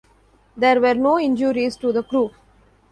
There were no injuries to the crew.